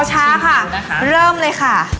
จอรอย